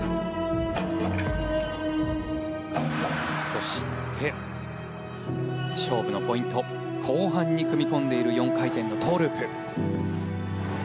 そして、勝負のポイント後半に組み込んでいる４回転のトウループ。